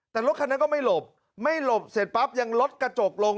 แต่รถคันนั้นก็ไม่หลบไม่หลบเสร็จปั๊บยังลดกระจกลง